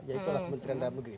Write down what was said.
yaitu kementerian dalam negeri